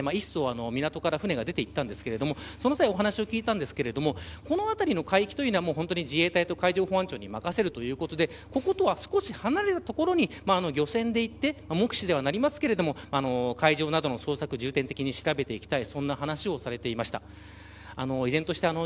先ほど、午前８時前に１艘、港から船が出ていったんですがその際に、お話しを聞きましたがこの辺りの海域は自衛隊か海上保安庁に任せるということでこことは少し離れたところに漁船で行って目視にはなりますが海上などの捜索を重点的に調べていきたい